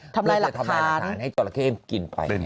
ทำลายหลักฐานแล้วทำลายหลักฐานให้จอลาเค้กินไป